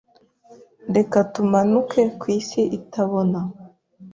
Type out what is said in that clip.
Reka tumanuke ku isi itabona